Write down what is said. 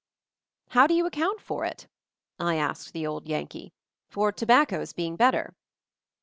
"How do you account for it?" I asked the old Yankee. "For tobacco's being bet ter?"